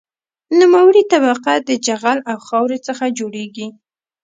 نوموړې طبقه د جغل او خاورې څخه جوړیږي